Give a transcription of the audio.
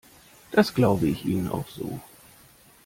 Das glaube ich Ihnen auch so.